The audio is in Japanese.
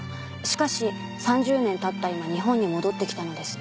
「しかし三十年経った今日本に戻ってきたのです」